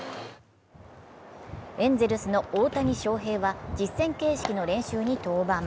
エンゼルスの大谷翔平は実戦形式の練習に登板。